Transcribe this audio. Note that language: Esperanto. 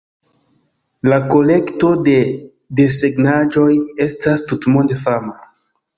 La kolekto de desegnaĵoj estas tutmonde fama.